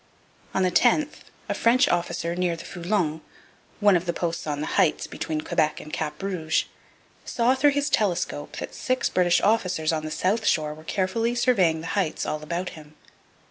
On the 10th a French officer near the Foulon, one of the posts on the heights between Quebec and Cap Rouge, saw, through his telescope, that six British officers on the south shore were carefully surveying the heights all about him.